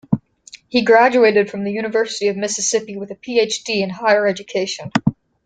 He graduated from the University of Mississippi with a PhD in higher education.